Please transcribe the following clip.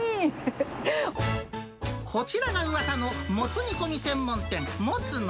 こちらがうわさのもつ煮込み専門店、もつ乃。